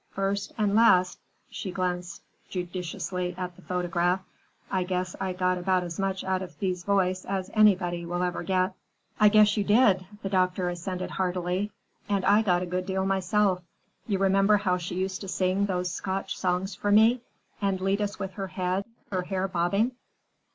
First and last,"—she glanced judicially at the photograph,—"I guess I got about as much out of Thea's voice as anybody will ever get." "I guess you did!" the doctor assented heartily; "and I got a good deal myself. You remember how she used to sing those Scotch songs for me, and lead us with her head, her hair bobbing?"